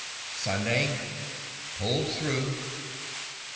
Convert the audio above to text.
Sunday Pulled through.